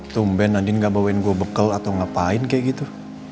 tumben adin gak bawain gue bekal atau ngapain kayak gitu